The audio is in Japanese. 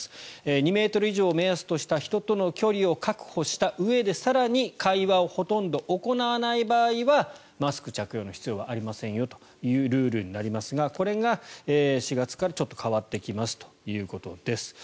２ｍ以上を目安とした人との距離を確保したうえで更に会話をほとんど行わない場合はマスク着用の必要はありませんよというルールになりますがこれが４月からちょっと変わってきますということです。